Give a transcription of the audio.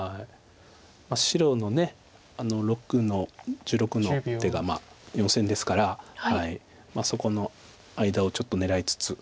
白の６の十六の手が４線ですからそこの間をちょっと狙いつつ。